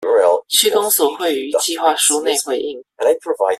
區公所會於計畫書內回應